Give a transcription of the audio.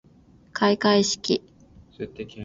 かいかいしき